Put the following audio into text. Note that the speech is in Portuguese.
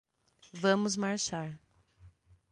Vamos marchar